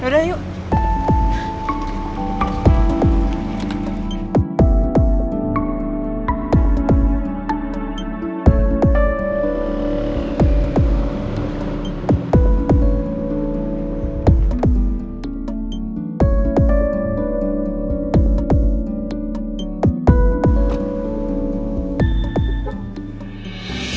terima kasih pak